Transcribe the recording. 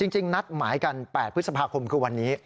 นัดหมายกัน๘พฤษภาคมคือวันนี้